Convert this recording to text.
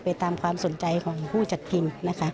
ไปตามความสนใจของผู้จัดพิมพ์